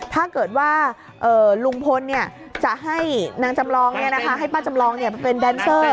ถ้าเกิดว่าลุงพลเนี่ยจะให้นางจำลองเนี่ยนะคะให้ป้าจำลองเนี่ยเป็นแดนเซอร์